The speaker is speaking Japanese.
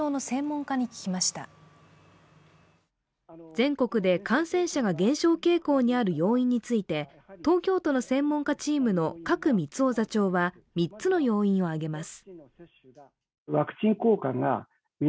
全国で感染者が減少傾向にある要因について東京都の専門家チームの賀来満夫座長は３つの要因を挙げます。